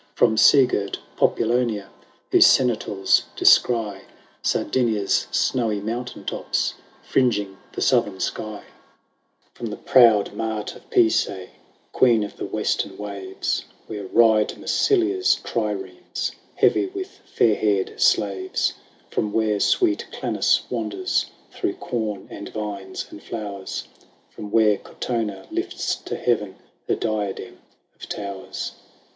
From seagirt Populonia, Whose sentinels descry Sardinia's snowy mountain tops Fringing the southern sky ; 45 From the proud mart of Pisae, Queen of the western waves, Where ride Massilia's triremes Heavy with fair haired slaves ; From where sweet Clanis wanders Through com and vines and flowers ; From where Cortona lifts to heaven Her diadem of towers.